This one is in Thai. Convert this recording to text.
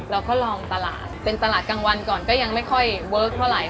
เราก็ลองตลาดเป็นตลาดกลางวันก่อนก็ยังไม่ค่อยเวิร์คเท่าไหร